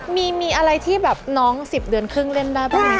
มีอะไรที่แบบน้อง๑๐เดือนครึ่งเล่นได้บ้าง